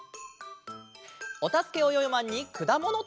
「おたすけ！およよマン」に「くだものたろう」。